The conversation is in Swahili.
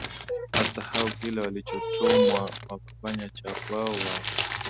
asahau kile walichotumwa wakafanya cha kwao wao